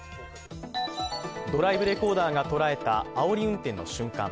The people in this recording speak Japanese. ドライブレコーダーが捉えたあおり運転の瞬間。